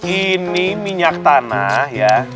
ini minyak tanah ya